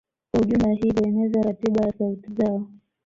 Kwa ujumla hii hueneza ratiba ya sauti zao